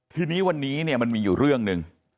ทีนี้วันนี้เนี่ยมันมีอยู่เรื่องหนึ่ง